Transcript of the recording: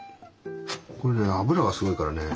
これね脂がすごいからね